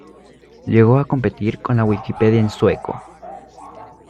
Llegó a competir con la Wikipedia en sueco.